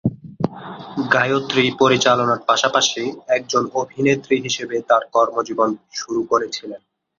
গায়ত্রী পরিচালনার পাশাপাশি একজন অভিনেত্রী হিসেবে তাঁর কর্মজীবন শুরু করেছিলেন।